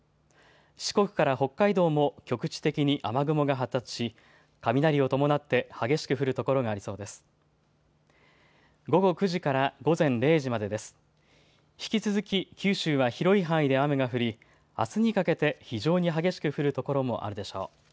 四国から北海道も局地的に雨雲が発達し、雷を伴って激しく降る所がありそうです。